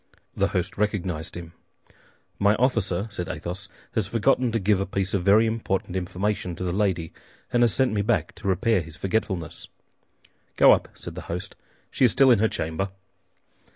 The host recognized him. "My officer," said Athos, "has forgotten to give a piece of very important information to the lady, and has sent me back to repair his forgetfulness." "Go up," said the host; "she is still in her chamber."